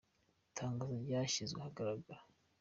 Itangazo ryashyizwe ahagaragara.